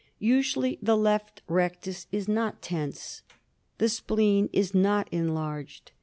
Usually the left rectus is not tense. The spleen is not enlarged.